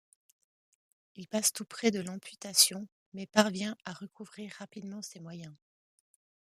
Il passe tout près de l'amputation mais parvient à recouvrer rapidement ses moyens.